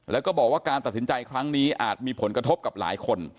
แล้วก็บอกว่าการตัดสินใจครั้งนี้อาจมีผลกระทบกับหลายคน